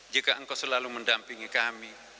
jika engkau selalu mendampingi kami